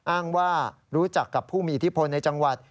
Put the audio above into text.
อ้างว่ารู้จักกับผู้มีอิทธิพลในจังหวัด